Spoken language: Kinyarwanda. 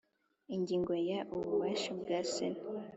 Ingingo ya ububasha bwa sena